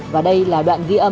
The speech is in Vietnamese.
và đây là đoạn kết luận